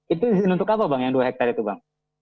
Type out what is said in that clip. itu di sini nuntuk apa bang yang dua hektare itu bang